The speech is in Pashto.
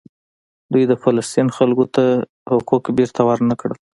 دوی د فلسطین خلکو ته حقوق بیرته ورنکړل.